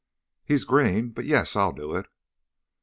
"He's green, but, yes, I'll do it."